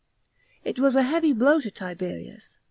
It was a heavy blow to Tiberius.